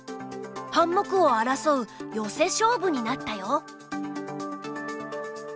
半目を争うヨセ勝負になったよ。